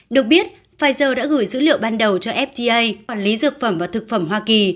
được biết pfizer đã gửi dữ liệu ban đầu cho fda quản lý dược phẩm và thực phẩm hoa kỳ